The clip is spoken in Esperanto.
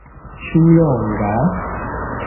Ĉu longa?